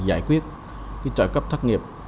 giải quyết trợ cấp thất nghiệp